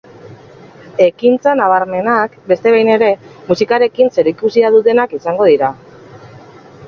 Ekintza nabarmenenak, beste behin ere, musikarekin zerikusia dutenak izango dira.